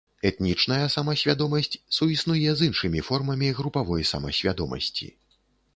Этнічная самасвядомасць суіснуе з іншымі формамі групавой самасвядомасці.